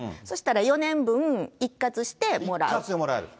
そしたら４年分一括してもらう。